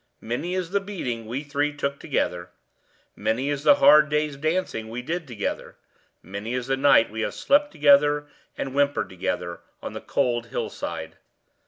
Many is the beating we three took together; many is the hard day's dancing we did together; many is the night we have slept together, and whimpered together, on the cold hill side.